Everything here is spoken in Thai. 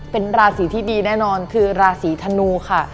เป็นราศีที่ดีแน่นอนคือราศีธนูค่ะ